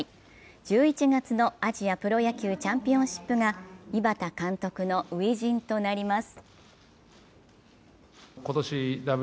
１１月のアジアプロ野球チャンピオンシップが井端監督の初陣となります。